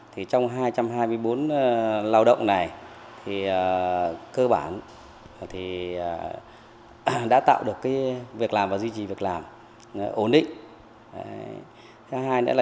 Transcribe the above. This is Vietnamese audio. trong hai trăm hai mươi bốn lao động này cơ bản đã tạo được việc làm và duy trì việc làm ổn định